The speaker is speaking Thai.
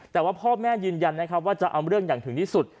แต่ว่าพ่อแม่ยืนยันนะครับว่าจะเอาเรื่องอย่างถึงที่สุด